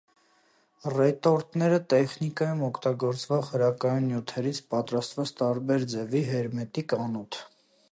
Ռետորտները տեխնիկայում օգտագործվող հրակայուն նյութերից պատրաստած տարբեր ձևերի հերմետիկ անոթ։